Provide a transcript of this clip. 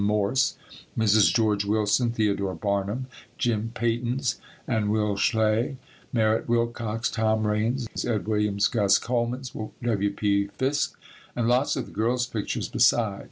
Morse, Mrs. George Willson, Theodore Barnum, Jim Paton's and Will Schley, Merritt Wilcox, Tom Raines, Ed. Williams, Gus Coleman's, W. P. Fisk and lots of the girls' pictures besides.